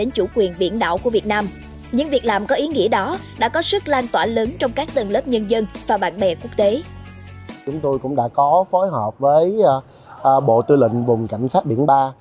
chúng tôi cũng đã có phối hợp với bộ tư lệnh vùng cảnh sát biển ba